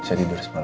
masih tidur semalam